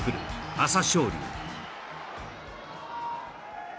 朝青龍